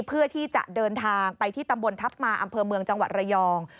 เพื่อที่จะเดินทางไปที่ตำบลทัพมาอำเภอเมืองจังหวัดระยอง